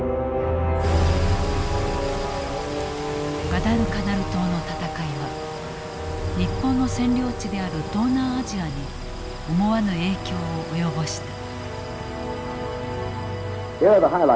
ガダルカナル島の戦いは日本の占領地である東南アジアに思わぬ影響を及ぼした。